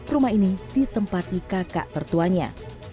rumah ini ditempati kakak tertuanya